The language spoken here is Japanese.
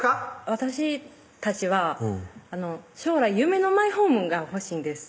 私たちは将来夢のマイホームが欲しいんです